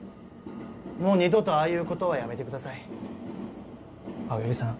もう二度とああいうことはやめてください青柳さん